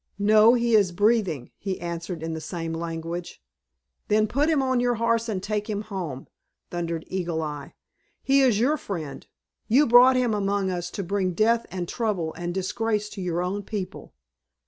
"No, he is breathing," he answered in the same language. "Then put him on your horse and take him home," thundered Eagle Eye. "He is your friend. You brought him among us to bring death and trouble and disgrace to your own people.